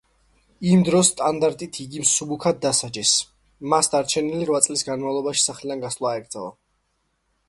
იმ დროის სტანდარტით, იგი მსუბუქად დასაჯეს: მას დარჩენილი რვა წლის განმავლობაში სახლიდან გასვლა აეკრძალა.